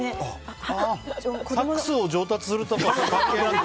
サックスを上達するとか関係ないんだ。